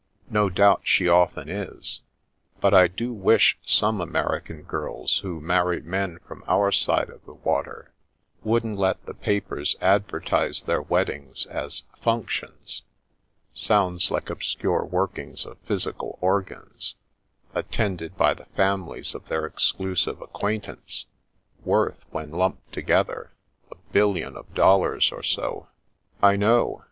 " No doubt she often is. But I do wish some American girls who marry men from our side of the water wouldn't let the papers advertise their weddings as 'functions' (sounds like obscure workings of physical organs), attended by the families of their exclusive acquaintance, worth, when lumped together, a billion of dollars or so." " I know.